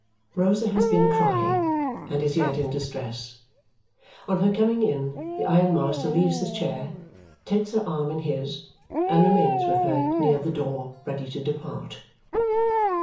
Rosa has been crying and is yet in distress. On her coming in, the ironmaster leaves his chair, takes her arm in his, and remains with her near the door ready to depart.